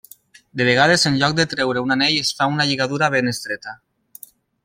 De vegades en lloc de treure un anell es fa una lligadura ben estreta.